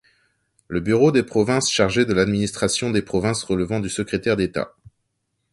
Le bureau des provinces chargé de l'administration des provinces relevant du secrétaire d'État.